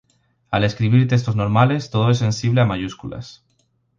Al escribir textos normales todo es sensible a mayúsculas.